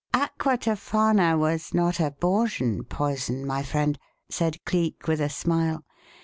"Aqua tofana was not a Bornean poison, my friend," said Cleek, with a smile.